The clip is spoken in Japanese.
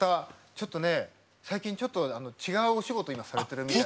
ちょっとね最近ちょっと違うお仕事を今されてるみたいで。